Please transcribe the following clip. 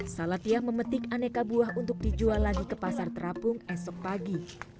salatiyah memetik aneka buah untuk dijual lagi ke pasar terapung esok pagi